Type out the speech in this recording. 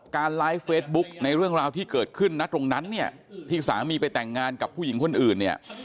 ไลฟ์เฟซบุ๊กในเรื่องราวที่เกิดขึ้นนะตรงนั้นเนี่ยที่สามีไปแต่งงานกับผู้หญิงคนอื่นเนี่ย